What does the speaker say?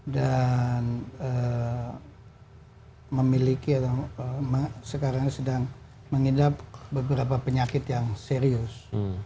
dan memiliki atau sekarang sedang mengidap beberapa penyakit yang serius